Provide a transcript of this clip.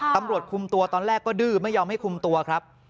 ตำรวจคุมตัวตอนแรกก็ดื้อไม่ยอมให้คุมตัวครับ